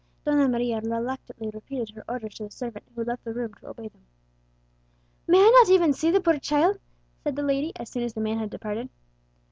Donna Maria reluctantly repeated her orders to the servant, who left the room to obey them. "May I not even see the poor child?" said the lady, as soon as the man had departed.